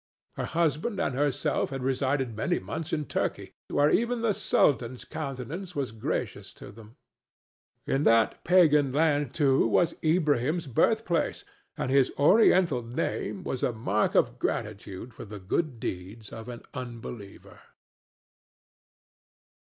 Her husband and herself had resided many months in Turkey, where even the sultan's countenance was gracious to them; in that pagan land, too, was Ilbrahim's birthplace, and his Oriental name was a mark of gratitude for the good deeds of an unbeliever.